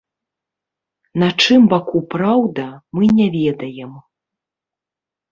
На чыім баку праўда, мы не ведаем.